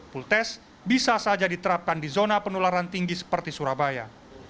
pool test bisa saja diterapkan di zona penularan tinggi seperti surabaya